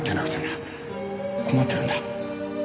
困ってるんだ。